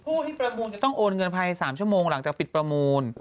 ผู้ที่ประมูลจะต้องโอนเงินภายใน๓ชั่วโมงหลังจากปิดประมูล